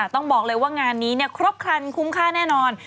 ต้องบอกเลยว่างานนี้ครบครันคุ้มค่าแน่นอน